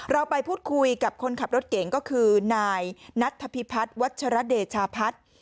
เราไปพูดคุยกับคนขับรถเก่งก็คือนายนัทธพิพัฒน์วัชรเดชาพัฒน์